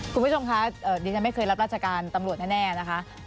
คุณผู้ชมคะดิฉันไม่เคยรับราชการตำรวจแน่นะคะ